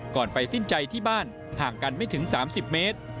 ไปสิ้นใจที่บ้านห่างกันไม่ถึง๓๐เมตร